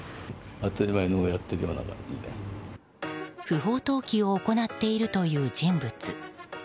不法投棄を行っているという人物。